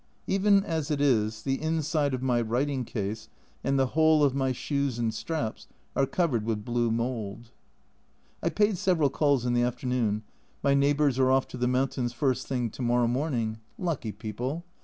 Even as it is, the inside of my writing case and the whole of my shoes and straps are covered with blue mould. I paid several calls in the afternoon my neigh bours are off to the mountains first thing to morrow A Journal from Japan 185 morning lucky people